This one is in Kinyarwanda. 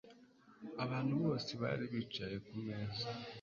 Abantu bose bari bicaye kumeza